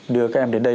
đưa các em đến đây